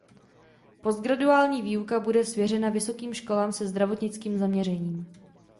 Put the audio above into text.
Postgraduální výuka bude svěřena vysokým školám se zdravotnickým zaměřením.